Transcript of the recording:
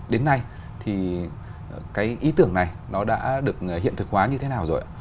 đến nay thì cái ý tưởng này nó đã được hiện thực hóa như thế nào rồi